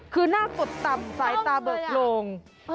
คือหน้ากดต่ำสายตาเบิกโลง